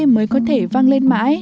mới có thể văng lên mãi